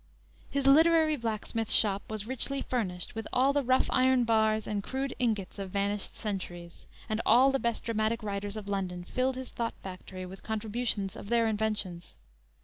His literary blacksmith shop was richly furnished with all the rough iron bars and crude ingots of vanished centuries; and all the best dramatic writers of London filled his thought factory with contributions of their inventions.